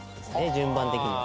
順番的には。